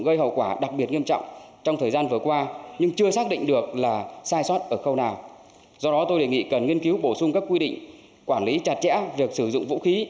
do đó tôi đề nghị cần nghiên cứu bổ sung các quy định quản lý chặt chẽ việc sử dụng vũ khí